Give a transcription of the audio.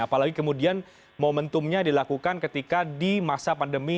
apalagi kemudian momentumnya dilakukan ketika di masa pandemi